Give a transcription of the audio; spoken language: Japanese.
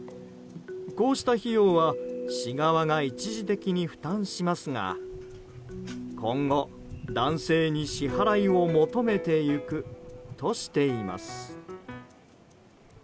こうした費用は市側が一時的に負担しますが今後、男性に支払いを求めていくとしています。